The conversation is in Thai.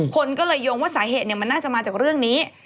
คนก็เลยโยงว่าสาเหตุมันน่าจะมาจากเรื่องนี้